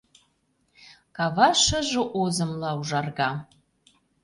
Кава шыже озымла ужарга.